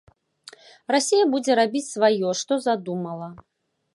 Расія будзе рабіць сваё, што задумала.